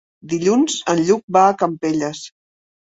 Dilluns en Lluc va a Campelles.